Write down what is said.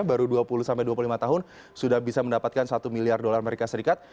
baru dua puluh dua puluh lima tahun sudah bisa mendapatkan satu miliar usd